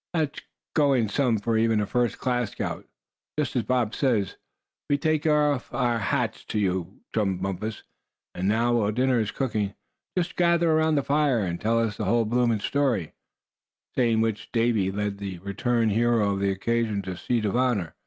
That's going some for even a first class scout. Just as Bob says, we take off our hats to you, Chum Bumpus, and now, while dinner is cooking, just gather around the fire and tell us the whole blooming story," saying which Davy led the returned hero of the occasion to the seat of honor.